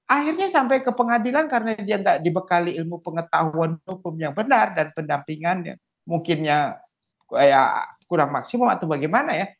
akhirnya sampai ke pengadilan karena dia tidak dibekali ilmu pengetahuan hukum yang benar dan pendampingannya mungkinnya kurang maksimum atau bagaimana ya